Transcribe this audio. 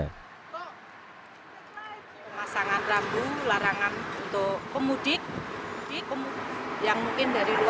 untuk pemudik yang mungkin dari luar kota